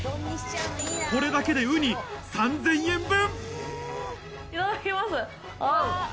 これだけでウニ３０００円分いただきます！